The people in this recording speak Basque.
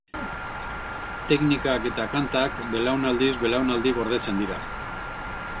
Teknikak eta kantak belaunaldiz belaunaldi gordetzen dira.